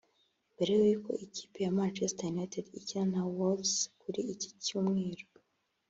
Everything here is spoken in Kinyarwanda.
Mbere y’uko ikipe ya Machester United ikina na Wolves kuri iki cyumeru